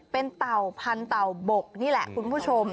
เป็นเต่าพันเต่าบกนี่แหละคุณผู้ชม